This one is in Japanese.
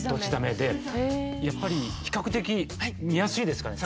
やっぱり比較的見やすいですかね。